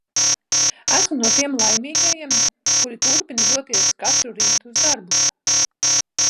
Esmu no tiem laimīgajiem, kuri turpina doties katru rītu uz darbu.